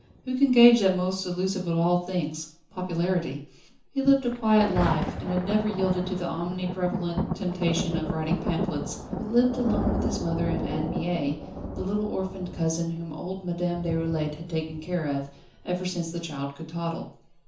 Who can gauge that most elusive of all things: Popularity? He lived a quiet life, and had never yielded to the omni prevalent temptation of writing pamphlets, but lived alone with his mother and Anne Mie, the little orphaned cousin whom old Madame Déroulède had taken care of, ever since the child could toddle.